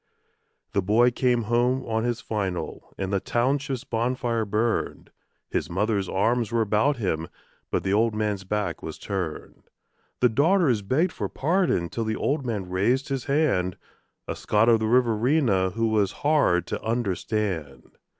The boy came home on his "final", and the township's bonfire burned. His mother's arms were about him; but the old man's back was turned. The daughters begged for pardon till the old man raised his hand A Scot of the Riverina who was hard to understand.